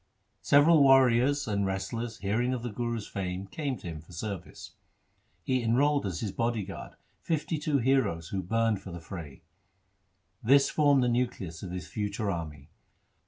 Several warriors and wrestlers hearing of the Guru's fame came to him for service. He enrolled as his body guard fifty two heroes who burned for the fray. This formed the nucleus of his future army.